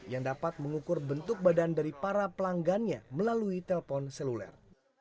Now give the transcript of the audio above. yang dapat mengukur bentuk badan dari para pelanggannya melalui telpon seluler